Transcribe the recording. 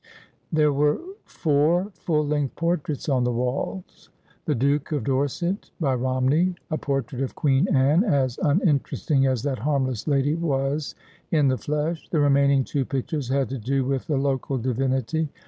There were four full length portraits on the walls : the Duke of Dorset, by Romney ; a portrait of Queen Anne, as uninterest ing as that harmless lady was in the flesh. The remaining two pictures had to do with the local divinity.